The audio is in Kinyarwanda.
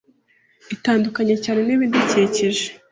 Itandukanye cyane nibidukikije